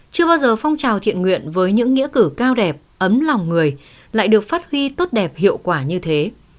chưa bao giờ phong trào thiện nguyện với những nghĩa cử cao đẹp ấm lòng người lại được phát huy tốt đẹp hiệu quả như thế